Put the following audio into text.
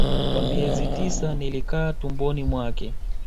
Kwa miezi tisa nilikaa tumboni mwake